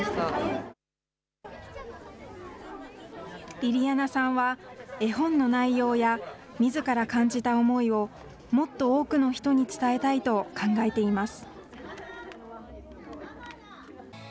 りりあなさんは、絵本の内容やみずから感じた思いをもっと多くの人に伝えたいと考えています。